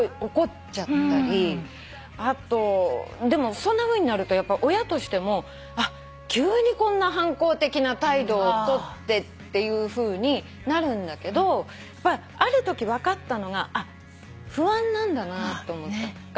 でもそんなふうになると親としても急にこんな反抗的な態度をとってっていうふうになるんだけどあるとき分かったのが不安なんだなと思った。